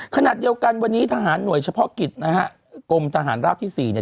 ขณะเดียวกันวันนี้ทหารหน่วยเฉพาะกิจนะฮะกรมทหารราบที่สี่เนี่ย